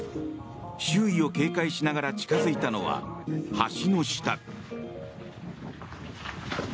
周囲を警戒しながら近付いたのは橋の下。